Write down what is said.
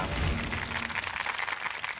ขอบคุณค่ะ